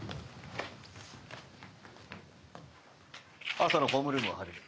朝のホームルームを始める。